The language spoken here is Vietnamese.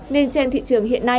nên trên thị trường hiện nay